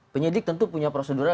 penyidik tentu punya prosedural